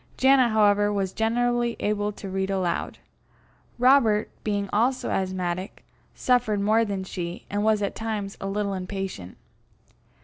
Janet, however, was generally able to read aloud. Robert, being also asthmatic, suffered more than she, and was at times a little impatient.